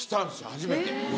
初めて。